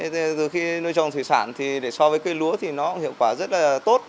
từ khi nuôi trồng thủy sản thì so với cây lúa thì nó hiệu quả rất là tốt